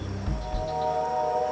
meninggalkan dua titik hitam di kulit